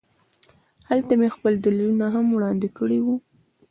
هلته مې خپل دلیلونه هم وړاندې کړي وو